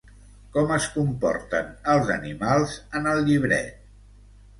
Com es comporten els animals en el llibret?